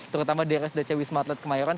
terutama di rspc wisma pet kemayoran